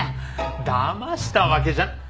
だましたわけじゃ。